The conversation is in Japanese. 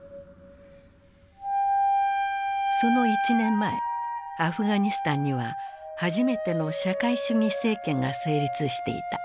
その１年前アフガニスタンには初めての社会主義政権が成立していた。